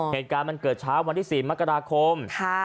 เหตุการณ์มันเกิดเช้าวันที่๔มกราคม